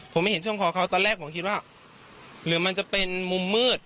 ผมไม่เห็นช่วงคอเขาตอนแรกผมคิดว่าหรือมันจะเป็นมุมมืด